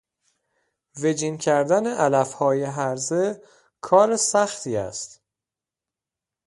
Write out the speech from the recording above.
وجین کردن علفهای هرزه، کار سختی است.